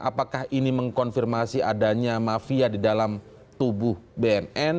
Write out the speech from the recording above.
apakah ini mengkonfirmasi adanya mafia di dalam tubuh bnn